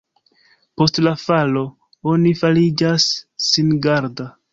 Post la falo oni fariĝas singarda.